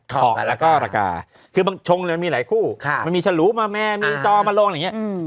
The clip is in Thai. เถาะแล้วก็รากาคือมันชงมันมีหลายคู่มันมีชะหรูมาเมียมีจอมาโลงอะไรอย่างนี้